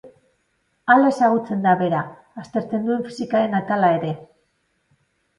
Hala ezagutzen da bera aztertzen duen fisikaren atala ere.